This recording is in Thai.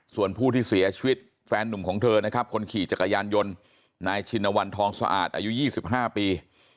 ส่วนผู้ที่เสียชีวิตแฟนนุ่มของเธอนะครับคนขี่จักรยานยนต์นายชินวันทองสะอาดอายุ๒๕ปี